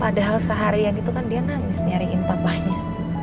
padahal seharian itu kan dia nangis nyariin papahnya